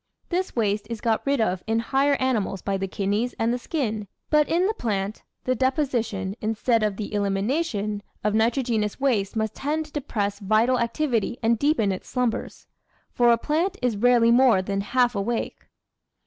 This waste is got rid of in higher animals by the kidneys and the skin. But in the plant the deposi tion, instead of the elimination, of nitrogenous waste must tend to depress vital activity and deepen its slumbers. For a plant is rarely more than half awake.